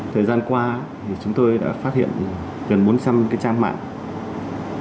thời gian qua chúng tôi đã phát hiện gần bốn trăm linh trang mạng